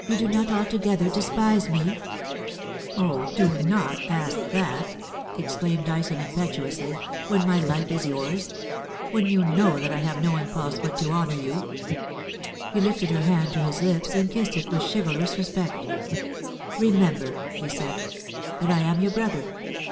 ' You do not altogether despise me ?*' Oh, do not ask that,' exclaimed Dyson, impetuously, ' when my life is yours ; when you know that I have no im pulse but to honour you.' He lifted her hand to his lips and kissed it with chivalrous respect 'Remember,' he said, 'that I am your brother.